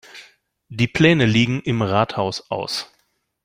Die Pläne liegen im Rathaus aus.